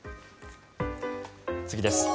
次です。